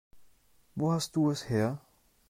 Wo hast du es her?